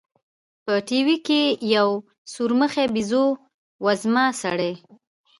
په ټي وي کښې يو سورمخى بيزو وزمه سړى.